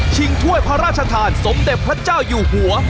ถ้วยพระราชทานสมเด็จพระเจ้าอยู่หัว